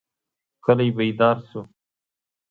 کلی بیدار شو.